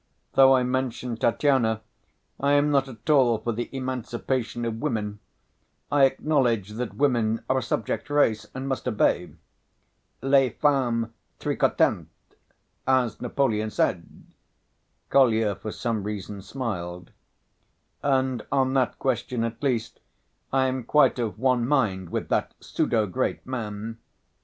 Though I mention Tatyana, I am not at all for the emancipation of women. I acknowledge that women are a subject race and must obey. Les femmes tricottent, as Napoleon said." Kolya, for some reason, smiled, "And on that question at least I am quite of one mind with that pseudo‐great man.